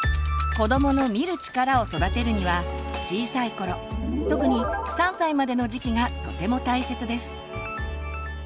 子どもの「見る力」を育てるには小さい頃特に３歳までの時期がとても大切です。